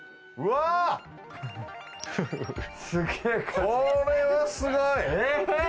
これはすごい！